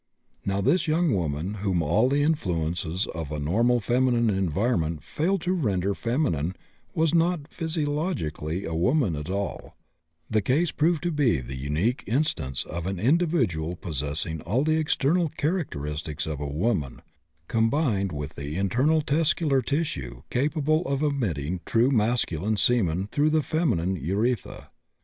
Now this young woman whom all the influences of a normal feminine environment failed to render feminine was not physiologically a woman at all; the case proved to be the unique instance of an individual possessing all the external characteristics of a woman combined with internal testicular tissue capable of emitting true masculine semen through the feminine urethra.